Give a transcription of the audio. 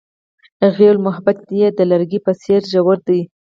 هغې وویل محبت یې د لرګی په څېر ژور دی.